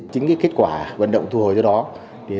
chính kết quả vận động thu hồi do đó